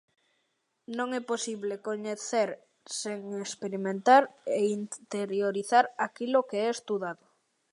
Non é posible coñecer sen experimentar e interiorizar aquilo que é estudado.